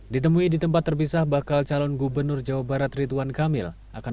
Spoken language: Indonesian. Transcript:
ditemui di tempat terpisah bakal calon gubernur jawa barat rituan kamil